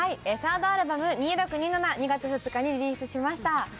サードアルバム、２６／２７、２月２日にリリースしました。